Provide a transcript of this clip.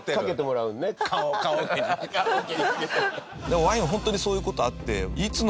でもワインはホントにそういう事あって。